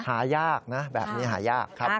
หายากนะแบบนี้หายากครับ